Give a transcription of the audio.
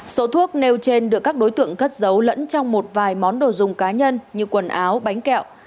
số thuốc nêu trên được các đối tượng cất giấu lẫn trong một vài món đồ dùng cá nhân như quần áo bánh kẹo